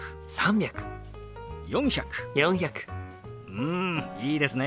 うんいいですね！